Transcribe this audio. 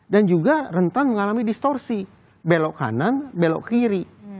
dan juga rentan mengalami distorsi belok kanan belok kiri